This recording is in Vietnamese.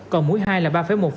còn mũi hai là ba một